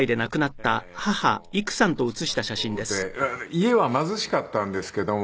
家は貧しかったんですけども